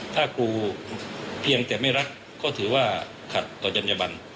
ถ้าครูเพียงแต่ไม่รักก็ถือว่าขัดต่อจัญญบัน